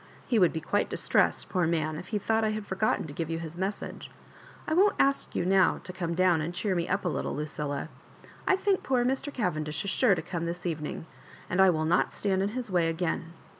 He would be quite distressed, poor manl if he thought I had Jbrgottea to give you his message. I won't ask 70U now to come down and cheer me up a little, Lucilla. I think poor Mr. Cavendish is sure to come this evening, and I will not stand in his way again.